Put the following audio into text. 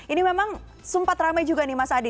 ini memang sempat ramai juga nih mas adi